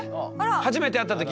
初めて会った時？